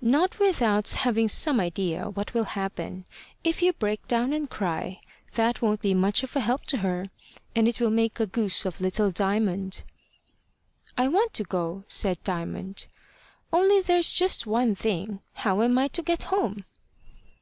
"Not without having some idea what will happen. If you break down and cry, that won't be much of a help to her, and it will make a goose of little Diamond." "I want to go," said Diamond. "Only there's just one thing how am I to get home?"